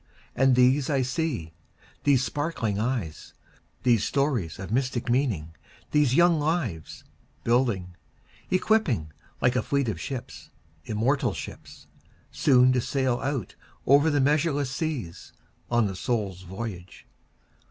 And these I see, these sparkling eyes, These stores of mystic meaning, these young lives, Building, equipping like a fleet of ships, immortal ships, Soon to sail out over the measureless seas, On the soul's voyage.